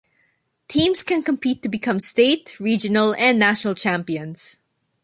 Teams can compete to become state, regional, and national champions.